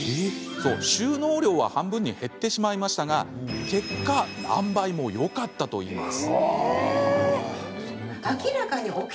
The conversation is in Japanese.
収納量は半分に減ってしまいましたが結果、何倍もよかったといいます。